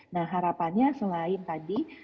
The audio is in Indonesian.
nah harapannya selain tadi